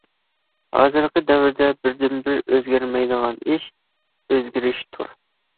ھازىرقى دەۋردە بىردىنبىر ئۆزگەرمەيدىغان ئىش «ئۆزگىرىش» تۇر.